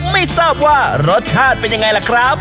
ไม่ทราบว่ารสชาติเป็นยังไงล่ะครับ